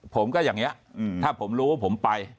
ผมก็อย่างนี้ถ้าผมรู้ว่าผมไป